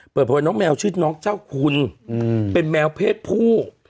เปิดเผยน้องแมวชื่อน้องเจ้าคุณเป็นแมวเพศผู้